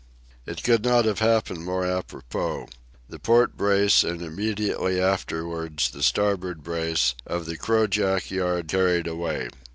It could not have happened more apropos. The port brace, and immediately afterwards the starboard brace, of the crojack yard—carried away.